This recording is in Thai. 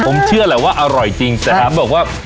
ผมเชื่อแหละว่าอร่อยจริงแต่ถามบอกว่า